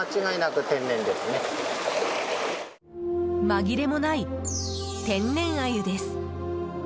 まぎれもない天然アユです。